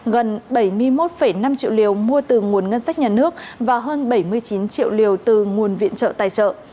gần bảy mươi một năm triệu liều mua từ nguồn ngân sách nhà nước và hơn bảy mươi chín triệu liều từ nguồn viện trợ tài trợ